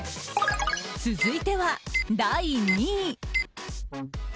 続いては第２位。